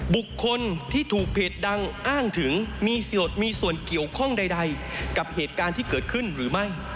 บุคคลที่ถูกเพจดังอ้างถึงมีส่วนเกี่ยวข้องใดกับเหตุการณ์ที่เกิดขึ้นหรือไม่